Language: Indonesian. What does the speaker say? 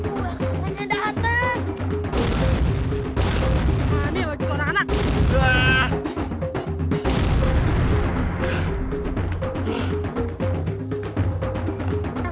berdua berbelakang kegiatan